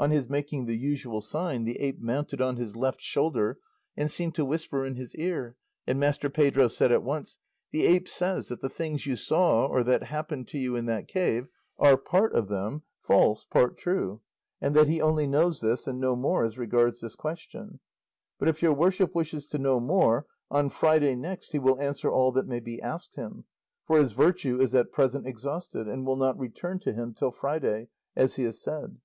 On his making the usual sign the ape mounted on his left shoulder and seemed to whisper in his ear, and Master Pedro said at once, "The ape says that the things you saw or that happened to you in that cave are, part of them false, part true; and that he only knows this and no more as regards this question; but if your worship wishes to know more, on Friday next he will answer all that may be asked him, for his virtue is at present exhausted, and will not return to him till Friday, as he has said."